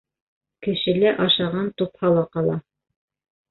Кешелә ашаған тупһала ҡала.